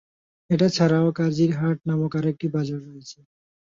এটা ছাড়াও কাজীর হাট নামক আরেকটি বাজার রয়েছে।